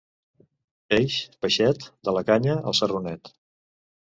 Peix, peixet, de la canya al sarronet.